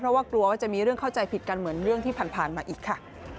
เพราะว่ากลัวว่าจะมีเรื่องเข้าใจผิดกันเหมือนเรื่องที่ผ่านมาอีกค่ะ